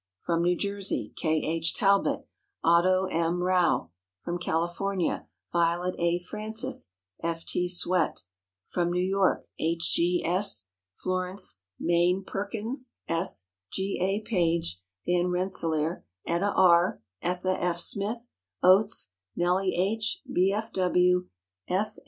from New Jersey K. H. Talbot, Otto M. Rau; from California Violet A. Francis, F. T. Swett; from New York H. G. S., Florence, Main, Perkins S., G. A. Page, Van Rensselaer, Etta R., Etha F. Smith, "Oats," Nellie H.